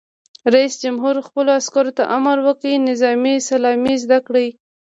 رئیس جمهور خپلو عسکرو ته امر وکړ؛ نظامي سلامي زده کړئ!